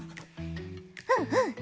うんうん！